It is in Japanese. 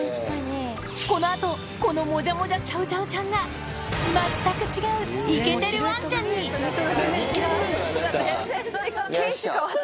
このあと、このもじゃもじゃチャウチャウちゃんが、全く違うイケてるわんちよいしょ。